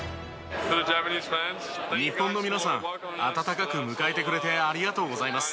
日本の皆さん暖かく迎えてくれてありがとうございます。